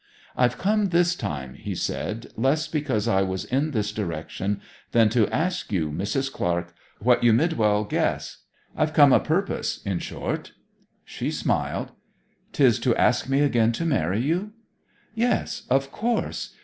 'I've come this time,' he said, 'less because I was in this direction than to ask you, Mrs. Clark, what you mid well guess. I've come o' purpose, in short.' She smiled. ''Tis to ask me again to marry you?' 'Yes, of course.